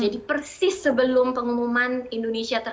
jadi persis sebelum pengumuman indonesia tersebut